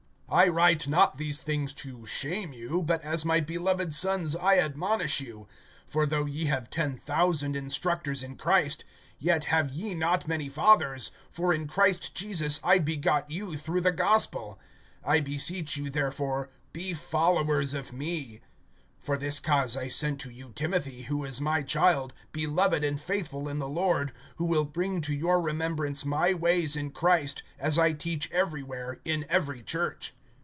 (14)I write not these things to shame you, but as my beloved sons I admonish you. (15)For though ye have ten thousand instructors in Christ, yet have ye not many fathers; for in Christ Jesus I begot you through the gospel. (16)I beseech you therefore, be followers of me[4:16]. (17)For this cause I sent to you Timothy, who is my child, beloved and faithful in the Lord, who will bring to your remembrance my ways in Christ, as I teach everywhere in every church.